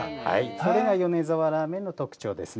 これが米沢ラーメンの特徴ですね。